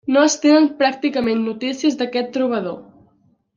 No es tenen pràcticament notícies d'aquest trobador.